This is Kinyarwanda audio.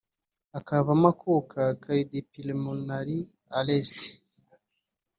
akavamo akuka (Cardiopulmonary arrest)